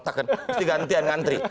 terus digantian ngantri